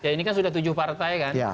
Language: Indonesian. ya ini kan sudah tujuh partai kan